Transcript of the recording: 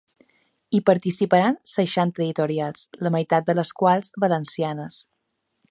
Hi participaran seixanta editorials, la meitat de les quals, valencianes.